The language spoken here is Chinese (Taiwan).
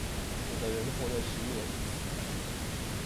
有的人活了十年死了